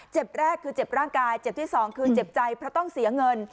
แรกคือเจ็บร่างกายเจ็บที่สองคือเจ็บใจเพราะต้องเสียเงิน